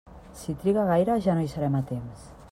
Si triga gaire ja no hi serem a temps.